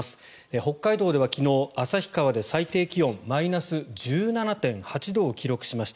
北海道では昨日旭川で最低気温マイナス１７．８度を記録しました。